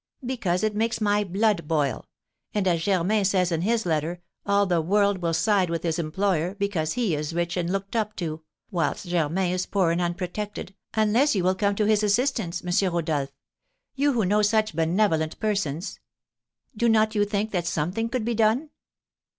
"Because it makes my blood boil. And, as Germain says in his letter, all the world will side with his employer, because he is rich and looked up to, whilst Germain is poor and unprotected, unless you will come to his assistance, M. Rodolph, you who know such benevolent persons. Do not you think that something could be done?"